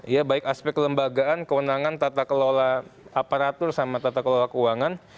ya baik aspek kelembagaan kewenangan tata kelola aparatur sama tata kelola keuangan